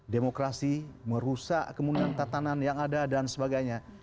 demokrasi merusak kemudian tatanan yang ada dan sebagainya